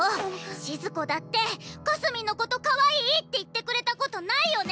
⁉しず子だってかすみんのことかわいいって言ってくれたことないよね